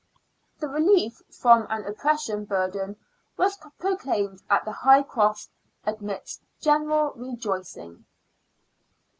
The relief from an oppressive burden was proclaimed at the High Cross amidst general re joicing.